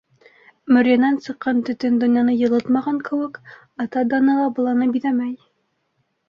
Мөрйәнән сыҡҡан төтөн донъяны йылытмаған кеүек, ата даны ла баланы биҙәмәй.